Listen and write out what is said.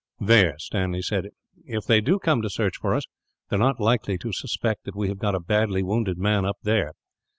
"There," Stanley said; "if they do come to search for us, they are not likely to suspect that we have got a badly wounded man up here.